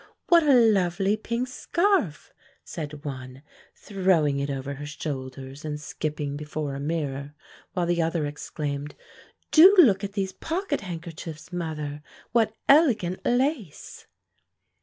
"What a lovely pink scarf!" said one, throwing it over her shoulders and skipping before a mirror; while the other exclaimed, "Do look at these pocket handkerchiefs, mother! what elegant lace!"